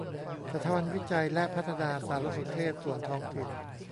สถาบันวิจัยและพัฒนาสารสนเทศส่วนท้องถิ่น